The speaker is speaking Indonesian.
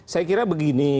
saya kira begini